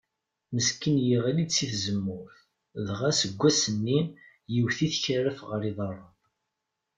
Meskin yeɣli-d si tzemmurt, dɣa seg wass-nni yewwet-it karaf ɣer iḍaren.